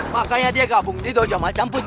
makanya dia gabung di dojo macam putih